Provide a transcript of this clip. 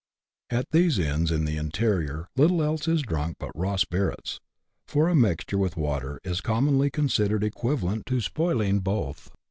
At these inns in the interior little else is drunk but raw spirits, for a mixture with water is commonly considered equivalent to spoiling both.